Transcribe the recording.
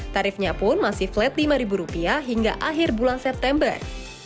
tarifnya pun masih flat rp lima hingga akhir bulan september